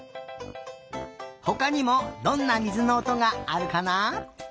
ほかにもどんなみずのおとがあるかな？